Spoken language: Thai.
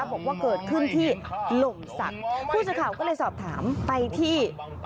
บอกว่าเกิดขึ้นที่หล่มศักดิ์ผู้สื่อข่าวก็เลยสอบถามไปที่